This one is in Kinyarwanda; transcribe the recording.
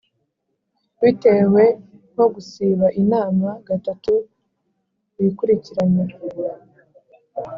Bitewe nko gusiba inama gatatu wikurikiranya